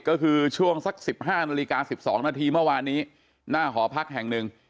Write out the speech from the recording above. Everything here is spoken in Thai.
ก็คือช่วงสัก๑๕นาฬิกา๑๒นาทีเมื่อวานนี้หน้าหอพักแห่งหนึ่ง